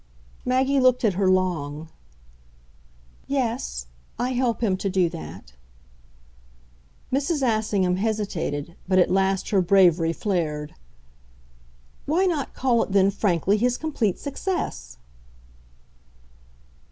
Maggie looked at her long. "Yes I help him to do that." Mrs. Assingham hesitated, but at last her bravery flared. "Why not call it then frankly his complete success?"